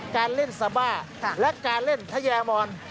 การเล่นซาบ้าและการเล่นทะแยมอน